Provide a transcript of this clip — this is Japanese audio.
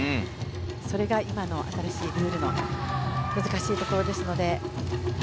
それが今の新しいルールの難しいところですので。